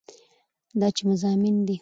دا چې مضامين دي